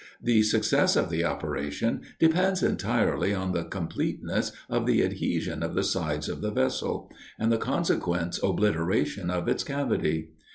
The success of the operation depends entirely on the completeness of the adhesion of the sides of the vessel, and the consequent obliteration of its cavity.